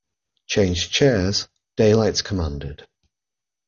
Change chairs, Daylight commanded.